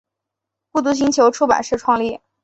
孤独星球出版社创立。